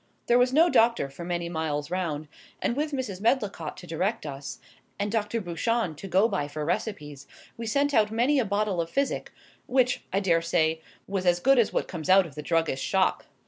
There was no doctor for many miles round, and with Mrs. Medlicott to direct us, and Dr. Buchan to go by for recipes, we sent out many a bottle of physic, which, I dare say, was as good as what comes out of the druggist's shop.